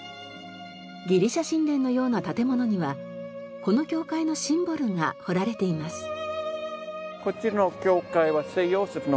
ギリシャ神殿のような建物にはこの教会のシンボルが彫られています。